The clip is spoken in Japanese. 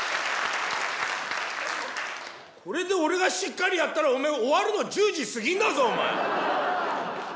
「これで俺がしっかりやったらお前終わるの１０時過ぎんだぞお前！」